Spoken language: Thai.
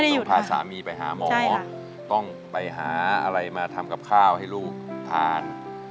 ต้องพาสามีไปหาหมอต้องไปหาอะไรมาทำกับข้าวให้ลูกทาน